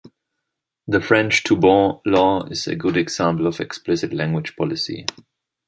The French Toubon law is a good example of explicit language policy.